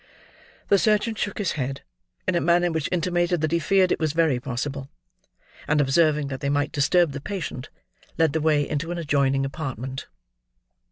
The surgeon shook his head, in a manner which intimated that he feared it was very possible; and observing that they might disturb the patient, led the way into an adjoining apartment.